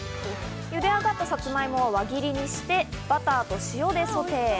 茹で上がったサツマイモは輪切りにして、バターと塩でソテー。